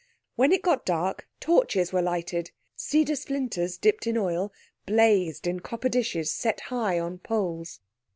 When it got dark torches were lighted. Cedar splinters dipped in oil blazed in copper dishes set high on poles.